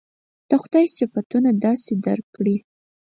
د خدای صفتونه داسې درک کړي.